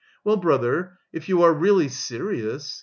"Well, brother, if you are really serious...